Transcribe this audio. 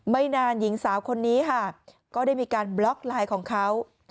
ไม่นานหญิงสาวคนนี้ค่ะก็ได้มีการบล็อกไลน์ของเขา